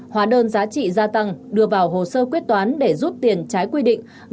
hóa đơn giá trị gia tăng đưa vào hồ sơ quyết toán để rút tiền trái quy định